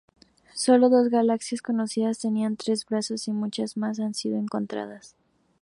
Sólo dos galaxias conocidas tenían tres brazos, y muchas más han sido encontradas.